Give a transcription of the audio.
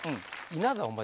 稲田お前